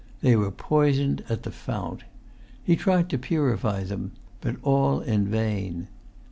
They were poisoned at the fount. He tried to purify them, but all in vain.